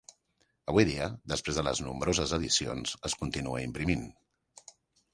Avui dia, després de nombroses edicions, es continua imprimint.